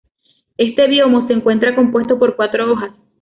Este biombo se encuentra compuesto por cuatro hojas.